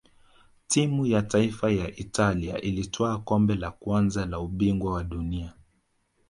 timu ya taifa ya italia ilitwaa kombe la kwanza la ubingwa wa dunia